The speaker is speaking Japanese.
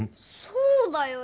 そうだよ